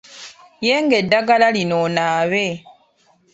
Yenga eddagala lino onaabe.